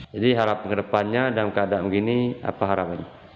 jadi harapan ke depannya dalam keadaan begini apa harapannya